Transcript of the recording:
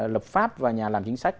lập pháp và nhà làm chính sách